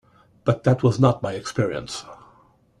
But that was not my experience.